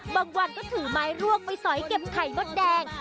วันก็ถือไม้ลวกไปสอยเก็บไข่มดแดง